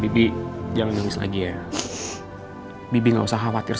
aurang tentu yang menyifat rizky kalau kamu bilang seperti itu